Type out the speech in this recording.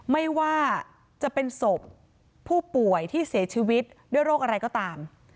ไม่ว่าจะเป็นศพผู้ป่วยที่เสียชีวิตด้วยโรคอะไรก็ตาม